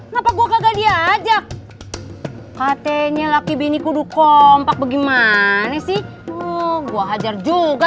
ngapa gua gagal diajak katanya laki beni kudu kompak bagaimana sih gua hajar juga